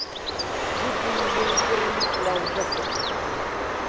گوتی من کوڕی فڵان کەسم.